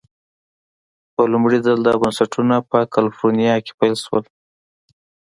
په لومړي ځل دا بنسټونه په کلفورنیا کې پیل شول.